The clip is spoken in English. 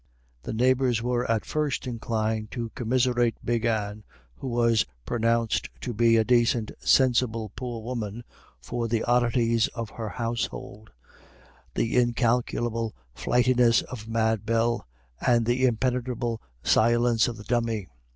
The neighbours were at first inclined to commiserate Big Anne, who was pronounced to be "a dacint, sinsible, poor woman," for the oddities of her household, the incalculable flightiness of Mad Bell, and the impenetrable silence of the Dummy.